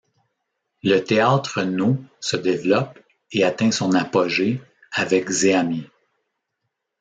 Le théâtre Nô se développe, et atteint son apogée, avec Zeami.